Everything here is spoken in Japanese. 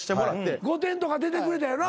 『御殿！！』とか出てくれたよな。